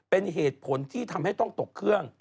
เป็นเหตุผลที่ทำให้ต้องตกเครื่อง